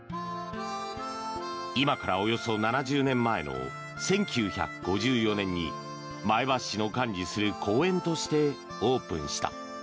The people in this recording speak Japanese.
今からおよそ７０年前の１９５４年に前橋市の管理する公園としてオープンした。